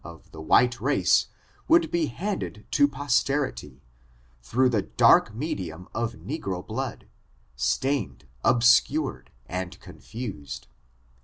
253 of the white race would be handed to posterity, through the dark medium of negro blood, stained, ob scured and confused.